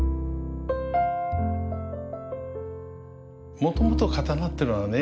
もともと刀ってのはね